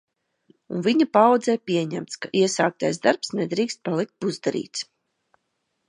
Un viņa paaudzē pieņemts, ka iesāktais darbs nedrīkst palikt pusdarīts.